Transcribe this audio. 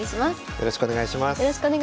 よろしくお願いします。